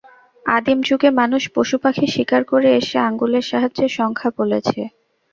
আদিম যুগে মানুষ পশু-পাখি শিকার করে এসে আঙুলের সাহায্যে সংখ্যা বলেছে।